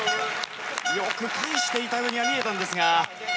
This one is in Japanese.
よく返していたように見えたんですが。